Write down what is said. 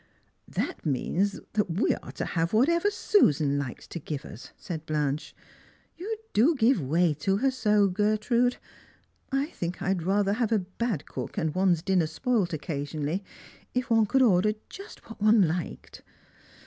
That means that we are to have whatever Susan likes to give us !" said Blanche. " You do give way to her so, Gertrude. I think I'd rather have a bad cook, and one's dinner spoilt occa sionally, if one could order just what one hked.